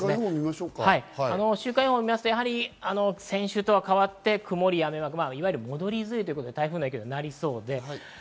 週間予報を見ますと先週とは変わって戻り梅雨ということで、台風の影響がありそうです。